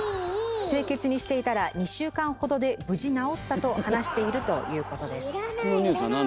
清潔にしていたら２週間ほどで無事治ったと話しているということです。